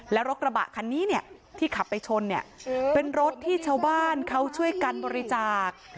และกระบะคันนี้ที่ขับไปชนเป็นรถที่ชาวบ้านเขาช่วยกันบริจาค